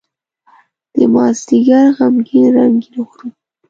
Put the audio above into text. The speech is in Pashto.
دمازدیګر غمګین رنګین غروب